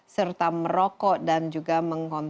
serta merokok dan juga mengkonsumsi